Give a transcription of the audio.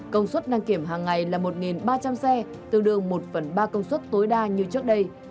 công suất đăng kiểm hàng ngày là một ba trăm linh xe tương đương một phần ba công suất tối đa như trước đây